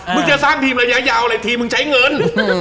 จะสร้างทีมระยะยาวอะไรทีมึงใช้เงิน